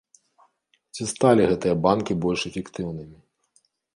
Ці сталі гэтыя банкі больш эфектыўнымі?